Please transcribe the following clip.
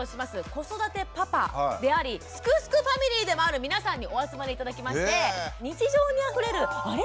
子育てパパであり「すくすくファミリー」でもある皆さんにお集まり頂きまして日常にあふれる「あれ？